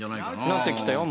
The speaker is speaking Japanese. なってきたよ